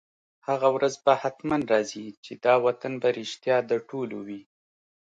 هغه ورځ به حتماً راځي، چي دا وطن به رشتیا د ټولو وي